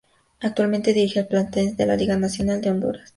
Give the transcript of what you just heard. Actualmente dirige al Platense de la Liga Nacional de Honduras.